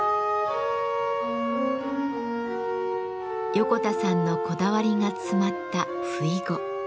横田さんのこだわりが詰まったふいご。